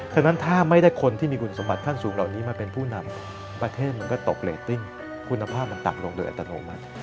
ฉะนั้นถ้าไม่ได้คนที่มีคุณสมบัติขั้นสูงเหล่านี้มาเป็นผู้นำประเทศมันก็ตกเรตติ้งคุณภาพมันต่ำลงโดยอัตโนมัติ